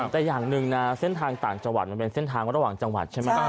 แต่อย่างหนึ่งนะเส้นทางต่างจังหวัดมันเป็นเส้นทางระหว่างจังหวัดใช่ไหม